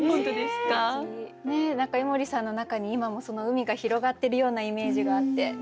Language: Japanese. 何か井森さんの中に今もその海が広がってるようなイメージがあって。